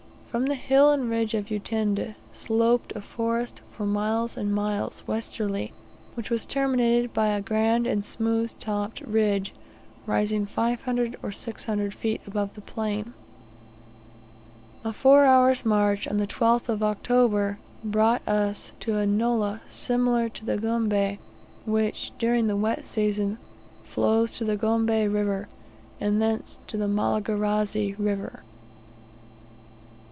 From the hill and ridge of Utende sloped a forest for miles and miles westerly, which was terminated by a grand and smooth topped ridge rising 500 or 600 feet above the plain. A four hours' march, on the 12th of October, brought us to a nullah similar to the Gombe, which, during the wet season, flows to the Gombe River, and thence into the Malagarazi River.